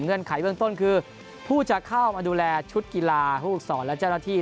เงื่อนไขเรื่องต้นคือผู้จะเข้ามาดูแลชุดกีฬาผู้อุกษรและเจ้าหน้าที่